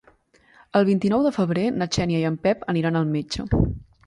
El vint-i-nou de febrer na Xènia i en Pep aniran al metge.